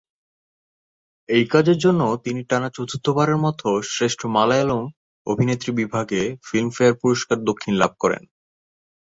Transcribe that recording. এই কাজের জন্য তিনি টানা চতুর্থবারের মত শ্রেষ্ঠ মালয়ালম অভিনেত্রী বিভাগে ফিল্মফেয়ার পুরস্কার দক্ষিণ লাভ করেন।